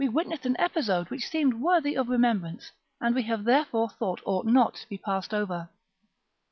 witnessed an episode which seemed worthy of remembrance and we have therefore thought ought not to be passed over.